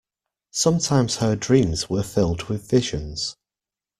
Sometimes her dreams were filled with visions.